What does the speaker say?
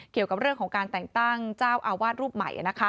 เกี่ยวกับเรื่องของการแต่งตั้งเจ้าอาวาสรูปใหม่